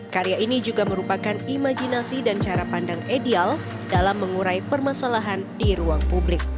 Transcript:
karya ini juga merupakan imajinasi dan cara pandang ideal dalam mengurai permasalahan di ruang publik